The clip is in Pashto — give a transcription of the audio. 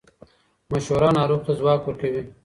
مشوره ناروغ ته ځواک ورکوي.